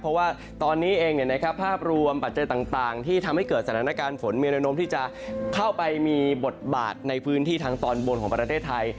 เพราะว่าตอนนี้เองภาพรวมปัจจัยต่างที่ทำให้เกิดสถานการณ์ฝนมีระนมที่จะเข้าไปมีบทบาทในพื้นที่ทางตอนบนของประเทศไทย